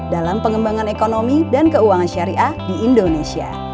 dalam pengembangan ekonomi dan keuangan syariah di indonesia